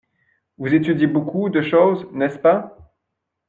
Vous étudiez beaucoup de choses, n’est-ce pas?